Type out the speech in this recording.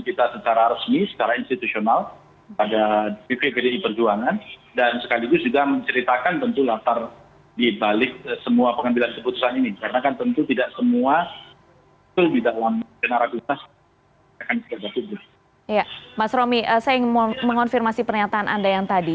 mas romi saya ingin mengonfirmasi pernyataan anda yang tadi